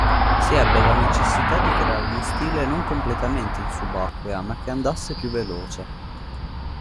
Si ebbe la necessità di creare uno stile non completamente in subacquea ma che andasse più veloce.